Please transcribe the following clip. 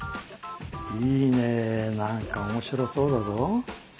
いいね何か面白そうだぞ。